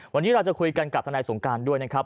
วันนี้เราจะคุยกันกับทนายสงการด้วยนะครับ